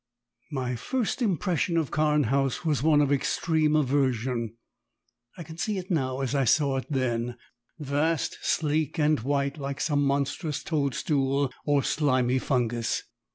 My first impression of Carne House was one of extreme aversion; I can see it now as I saw it then vast, sleek, and white, like some monstrous toadstool, or slimy fungus.